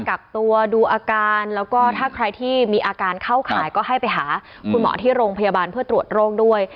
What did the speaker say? กักตัวดูอาการแล้วก็ถ้าใครที่มีอาการเข้าข่ายก็ให้ไปหาคุณหมอที่โรงพยาบาลเพื่อตรวจโรคด้วย